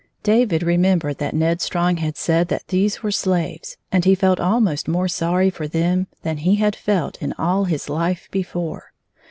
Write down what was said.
David remembered that Ned Strong had said that these were slaves, and he felt almost more sorry for them than he had felt in aU his life be fore.